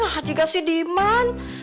nah juga sih diman